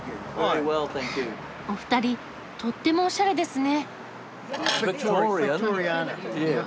お二人とってもおしゃれですね。